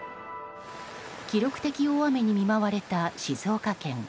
記録的大雨に見舞われた静岡県。